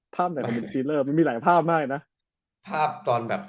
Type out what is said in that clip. ภาพไหนของเบนสตีลเลอร์มันมีหลายภาพมากนะ